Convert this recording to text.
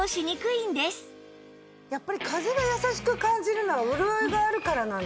やっぱり風が優しく感じるのは潤いがあるからなんですね。